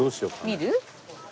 見る？